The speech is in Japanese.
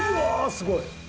すごい！